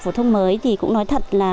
phổ thông mới thì cũng nói thật là